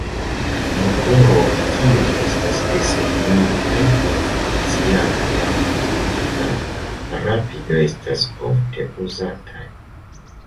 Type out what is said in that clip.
Motoroj kiuj estas desegnitaj por funkciado laŭ konstanta rapido estas ofte uzataj.